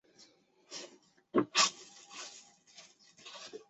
萨布埃鲁是巴西塞阿拉州的一个市镇。